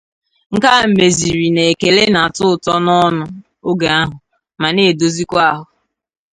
Nke a mezịrị na ekele na-atọ ụtọ n'ọnụ oge ahụ ma na-edozikwa ahụ